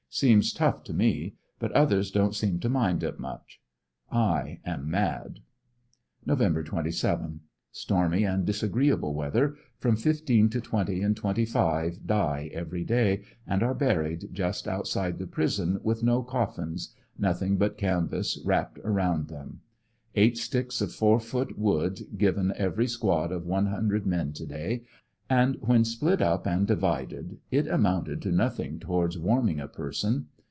Seems tough to me but others don't seem to mind it much. I am mad. Nov. 27, — Stormy and disagreeable weather. From fifteen to twenty and twenty five die every day and are buried just outside the prison with no coffins — nothing but canvas wrapped around them. Eight sticks of four foot wood given every squad of one hundred men to day, and when split up and divided it amounted to nothing towards warming a person.